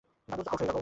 দাদু আউট হয়ে গেল!